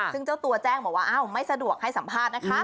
ซึ่งเจ้าตัวแจ้งบอกว่าอ้าวไม่สะดวกให้สัมภาษณ์นะคะ